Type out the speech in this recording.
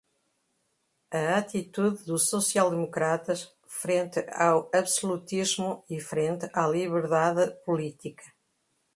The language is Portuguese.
a atitude dos social-democratas frente ao absolutismo e frente à liberdade política